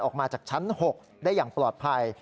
ออกมาจากชั้น๖ได้อย่างปลอดภัย